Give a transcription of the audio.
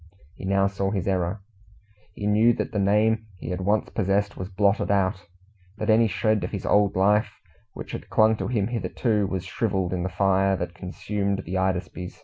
He now saw his error. He knew that the name he had once possessed was blotted out, that any shred of his old life which had clung to him hitherto, was shrivelled in the fire that consumed the "Hydaspes".